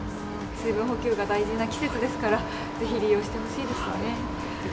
水分補給が大事な季節ですから、ぜひ利用してほしいですね。